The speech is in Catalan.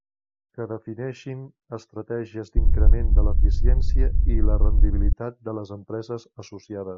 Que defineixin estratègies d'increment de l'eficiència i la rendibilitat de les empreses associades.